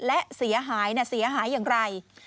และเสียหายเสียหายอย่างไร